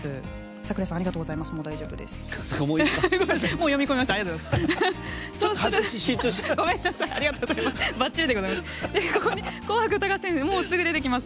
櫻井さんありがとうございます。